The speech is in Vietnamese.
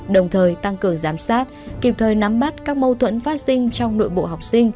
đồng thời tăng cường giám sát kịp thời nắm bắt các mâu thuẫn phát sinh trong nội bộ học sinh